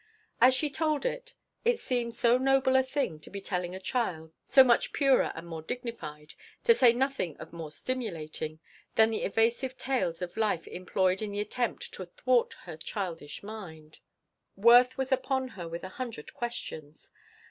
As she told it it seemed so noble a thing to be telling a child, so much purer and more dignified to say nothing of more stimulating than the evasive tales of life employed in the attempt to thwart her childish mind. Worth was upon her with a hundred questions.